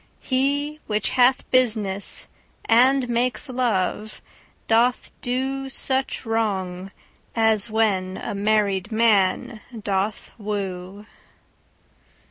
He, which hath business, and makes love, doth doSuch wrong, as when a married man doth woo.